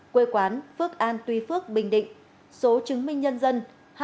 quê quán phước an tuy phước bình định số chứng minh nhân dân hai một một bảy tám năm bốn hai hai